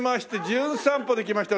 『じゅん散歩』で来ました